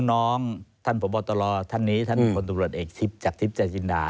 น้องท่านพบตรท่านนี้ท่านคนตรวจเอกจากทฤษฎาจินดา